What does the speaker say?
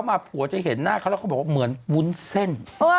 มาผัวจะเห็นหน้าเขาแล้วเขาบอกว่าเหมือนวุ้นเส้น